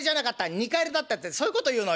二荷入りだった』ってそういうこと言うのよ」。